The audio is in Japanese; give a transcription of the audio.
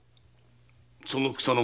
その草の者